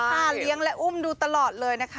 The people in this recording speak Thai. เลี้ยงและอุ้มดูตลอดเลยนะคะ